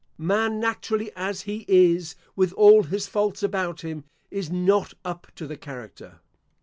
Man, naturally as he is, with all his faults about him, is not up to the character.